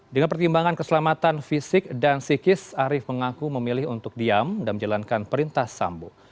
dengan pertimbangan keselamatan fisik dan psikis arief mengaku memilih untuk diam dan menjalankan perintah sambo